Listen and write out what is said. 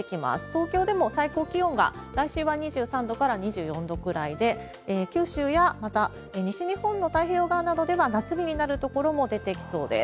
東京でも最高気温が、来週は２３度から２４度くらいで、九州や、また、西日本の太平洋側などでは夏日になる所も出てきそうです。